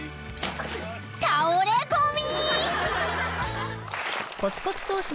［倒れこみ］